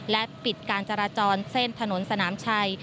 และปิดการจราจรเส้นถนนสนามชัย